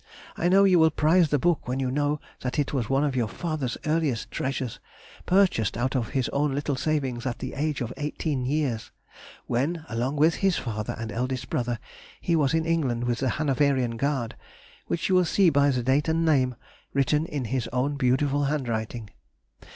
I know you will prize the book when you know that it was one of your father's earliest treasures, purchased out of his own little savings, at the age of 18 years—when, along with his father and eldest brother, he was in England with the Hanoverian Guard, which you will see by the date and name, written in his own beautiful handwriting.